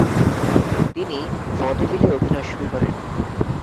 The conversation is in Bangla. তিনি ভডেভিলে অভিনয় শুরু করেন।